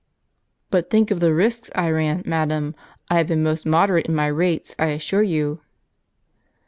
" But think of the risks I ran, madam. I have been most moderate in my rates, I assure you."